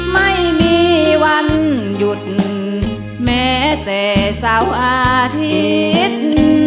ไม่มีวันหยุดแม้แต่เสาร์อาทิตย์